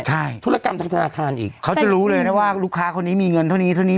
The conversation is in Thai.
ใช่ธุรกรรมทางธนาคารอีกเขาจะรู้เลยนะว่าลูกค้าคนนี้มีเงินเท่านี้เท่านี้